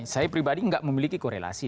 saya pribadi nggak memiliki korelasi